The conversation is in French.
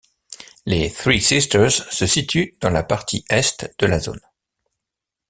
Les Three Sisters se situent dans la partie est de la zone.